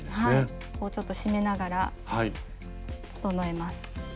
ちょっと締めながら整えます。